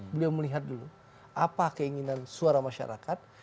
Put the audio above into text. beliau melihat dulu apa keinginan suara masyarakat